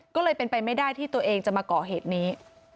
ก็เลยเป็นไปไม่ได้ที่ตัวเองจะมาก่อเหตุนี้